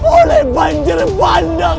oleh banjir bandang